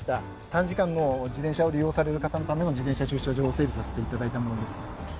短時間の自転車を利用される方のための自転車駐車場を整備させて頂いたものです。